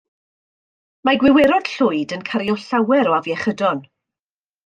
Mae gwiwerod llwyd yn cario llawer o afiechydon.